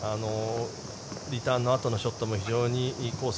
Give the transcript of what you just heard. リターンのあとのショットも非常にいいコース